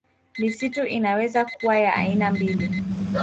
Misitu inaweza kuwa ya aina mbili